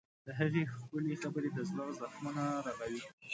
د هغې ښکلي خبرې د زړه زخمونه رغوي.